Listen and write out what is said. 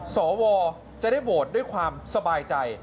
สวจะได้โหวตด้วยความสบายใจ